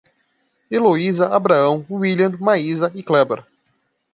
Eloiza, Abraão, Wílian, Maísa e Kléber